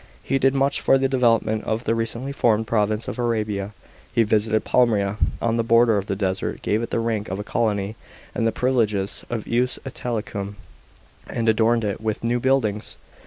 He did much for the development of the recently formed province of Arabia. He visited Palmyra on the border of the desert, gave it the rank of a colony, and the privileges of ius Italicum, and adorned it with new buildings.